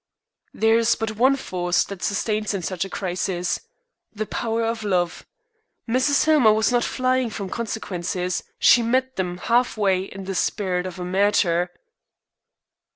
"There is but one force that sustains in such a crisis the power of love. Mrs. Hillmer was not flying from consequences. She met them half way in the spirit of a martyr."